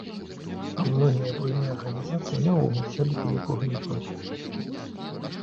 А многія буйныя арганізацыі наогул сёлета нікога не просяць.